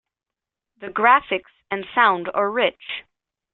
The graphics and sound are rich.